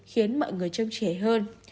khiến mọi người trông trẻ hơn